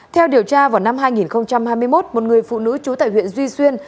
theo điều tra vào năm hai nghìn hai mươi một một người phụ nữ trú tại huyện duy xuyên